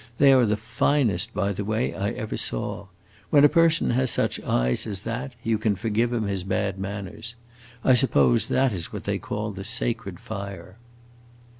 They are the finest, by the way, I ever saw. When a person has such eyes as that you can forgive him his bad manners. I suppose that is what they call the sacred fire."